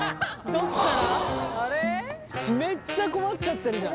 めっちゃ困っちゃってるじゃん！